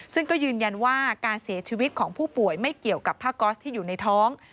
ซึ่งก็ยืนยันว่าการเสียชีวิตของผู้ป่วยไม่เกี่ยวกับผ้าก๊อสที่อยู่ในท้อง